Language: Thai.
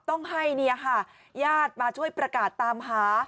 ต้องให้ญาติมาช่วยประกาศตามหา